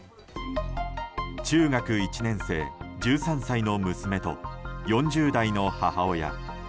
中学１年生、１３歳の娘と４０代の母親。